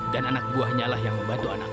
dan anak gue hanyalah yang membantu anakmu